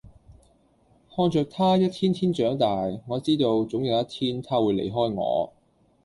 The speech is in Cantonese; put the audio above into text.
看着他一天天長大，我知道總有一天他會離開我